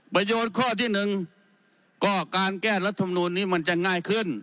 ประโยชน์ข้อที่๑ก็การแก้รัฐมนูลนี้มันจะง่ายขึ้น